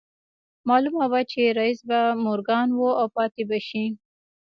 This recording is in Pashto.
معلومه وه چې رييس به مورګان و او پاتې به شي